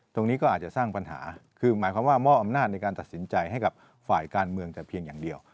ตรงนี้ก็อาจจะสร้างปัญหาคือหมายความว่ามอบอำนาจในการตัดสินใจให้กับฝ่ายการเมืองแต่เพียงอย่างเดียว